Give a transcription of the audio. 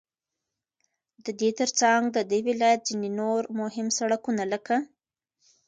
ددې ترڅنگ ددې ولايت ځينو نور مهم سړكونه لكه: